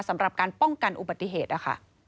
สำหรับการป้องกันอุบัติเหตุนะคะ